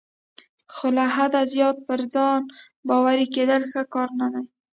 خو له حده زیات پر ځان باوري کیدل ښه کار نه دی.